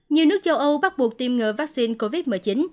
nhiều nước châu âu bắt buộc tiêm ngừa vaccine covid một mươi chín